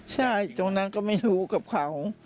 ใช่ตรงนั้นก็ไม่รู้กับเขา